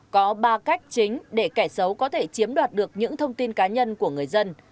có ba cách chính để kẻ xấu có thể chiếm đoạt được những thông tin cá nhân của người dân